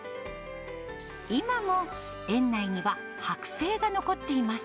今も園内にははく製が残っています。